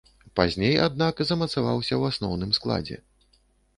Пазней, аднак, замацаваўся ў асноўным складзе.